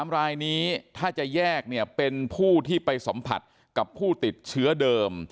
๓รายนี้ถ้าจะแยกเนี่ยเป็นผู้ที่ไปสัมผัสกับผู้ติดเชื้อเดิม